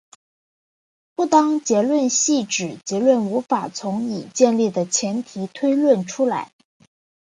不当结论系指结论无法从已建立的前提推论出来。